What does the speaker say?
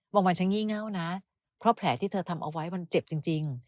วันฉันงี่เงาน่านะเพราะแผลที่เธอทำเอาไว้มันเจ็บจริง